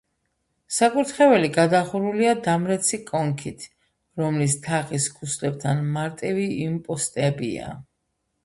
საკურთხეველი გადახურულია დამრეცი კონქით, რომლის თაღის ქუსლებთან მარტივი იმპოსტებია.